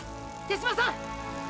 手嶋さん！！